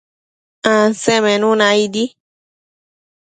Ansemenuna aidi